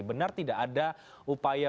benar tidak ada upaya